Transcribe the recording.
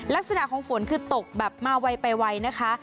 ลักษณะของฝนคือตกแบบมาไวไปไวนะคะ